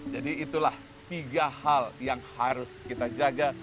itulah tiga hal yang harus kita jaga